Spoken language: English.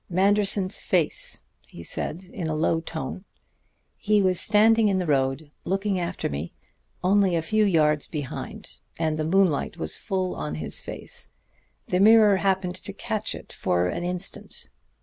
"Manderson's face," he said in a low tone. "He was standing in the road, looking after me, only a few yards behind, and the moonlight was full on his face. The mirror happened to catch it for an instant.